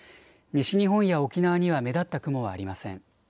西日本や沖縄には目立った雲はありません。